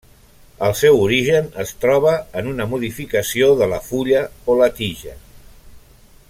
El seu origen es troba en una modificació de la fulla o la tija.